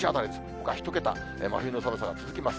ほか、１桁、真冬の寒さが続きます。